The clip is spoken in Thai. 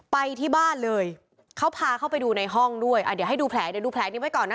ไปที่บ้านเลยเขาพาเข้าไปดูในห้องด้วยเดี๋ยวให้ดูแผลเดี๋ยวดูแผลนี้ไว้ก่อนนะ